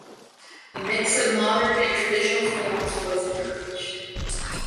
A mix of modern and traditional forms was encouraged.